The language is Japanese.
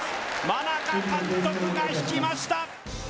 真中監督が引きました！